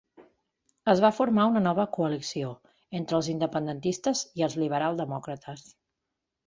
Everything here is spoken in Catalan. Es va formar una nova coalició, entre els independentistes i els liberal-demòcrates.